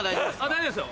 大丈夫ですよ。